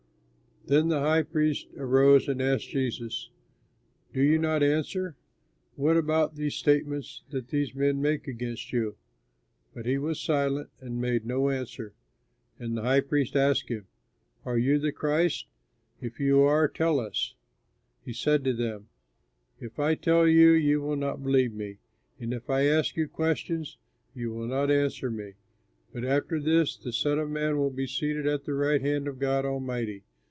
Then the high priest arose and asked Jesus, "Do you not answer? What about these statements that these men make against you?" But he was silent and made no answer. And the high priest asked him, "Are you the Christ? If you are, tell us." He said to them, "If I tell you, you will not believe, and if I ask you questions, you will not answer me. But after this the Son of Man will be seated at the right hand of God Almighty."